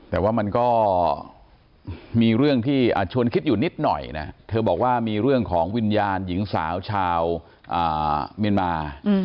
แต่ว่ามันก็มีเรื่องที่ชวนคิดอยู่นิดหน่อยนะเธอบอกว่ามีเรื่องของวิญญาณหญิงสาวชาวเมียนมา